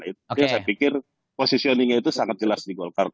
jadi saya pikir positioningnya itu sangat jelas di golkar